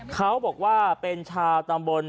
เขาบอกว่าเป็นชาวตำบล